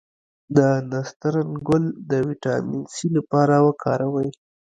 د نسترن ګل د ویټامین سي لپاره وکاروئ